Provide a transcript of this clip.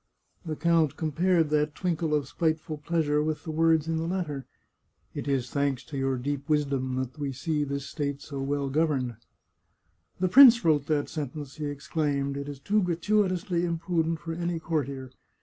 The count compared that twinkle of spiteful pleasure with the words in the letter, " It is thanks to your deep wsdom that we see this state so well governed" " The prince wrote that sentence !" he exclaimed. " It is too gratuitously imprudent for any courtier.